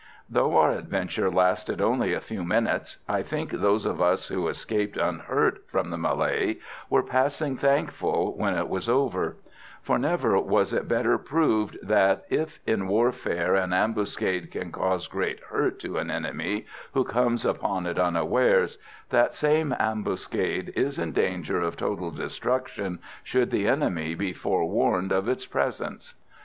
Though our adventure lasted only a few minutes, I think those of us who escaped unhurt from the mêlée were passing thankful when it was over; for never was it better proved that if in warfare an ambuscade can cause great hurt to an enemy who comes upon it unawares, that same ambuscade is in danger of total destruction should the enemy be forewarned of its presence.